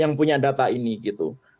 yang punya data ini gitu